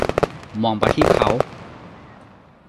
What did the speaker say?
มองไปที่เขา